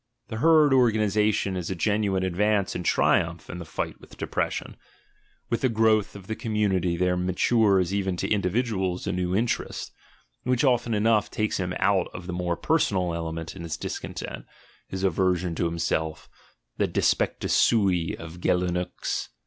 The herd organisa tion is a genuine advance and triumph in the fight with depression. With the growth of the community there matures even to individuals a new interest, which often enough takes him out of the more personal element in his discontent, his aversion to himself, the "despectus sui" of Geulincx.